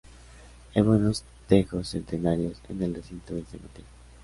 Hay buenos tejos centenarios en el recinto del cementerio.